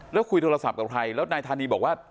แล้วคุยโทรศัพท์กับใครแล้วนายธานีบอกว่า